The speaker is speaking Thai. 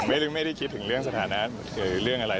ไม่ได้คิดถึงเรื่องสถานะหรือเรื่องอะไร